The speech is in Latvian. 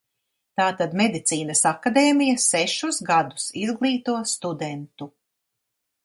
Tātad Medicīnas akadēmija sešus gadus izglīto studentu.